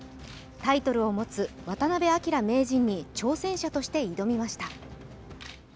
タイトルを持つ渡辺明名人に挑戦者として挑みました。